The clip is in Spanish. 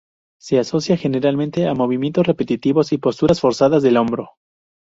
Se asocia generalmente a movimientos repetitivos y posturas forzadas del hombro.